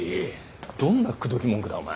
どんな口説き文句だお前。